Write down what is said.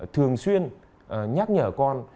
thường xuyên nhắc nhở con